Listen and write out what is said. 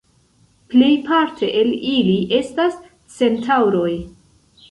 Plejparte el ili estas Centaŭroj.